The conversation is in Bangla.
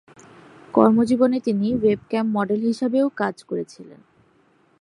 কর্মজীবনে তিনি ওয়েবক্যাম মডেল হিসাবেও কাজ করেছিলেন।